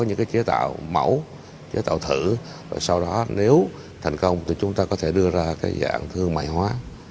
có những chế tạo mẫu chế tạo thử rồi sau đó nếu thành công thì chúng ta có thể đưa ra dạng thương mại hóa